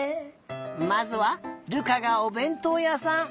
まずは瑠珂がおべんとうやさん。